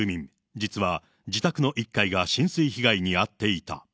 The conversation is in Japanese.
実は自宅の１階が浸水被害に遭っていた。